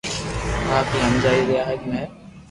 آپ ھي ھمجاوي دي اج ھي